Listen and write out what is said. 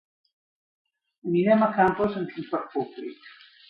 Anirem a Campos amb transport públic.